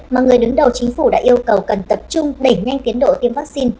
mà người đứng đầu chính phủ đã yêu cầu cần tập trung đẩy nhanh tiến độ tiêm vaccine